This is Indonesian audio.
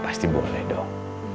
pasti boleh dong